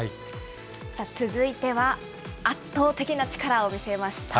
続いては、圧倒的な力を見せました。